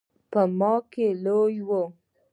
په ما کې لوی و.